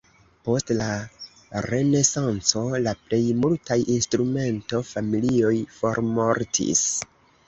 Post la renesanco la plej multaj instrumento-familioj formortis.